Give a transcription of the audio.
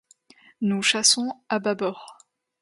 Nous chassons à bâbord.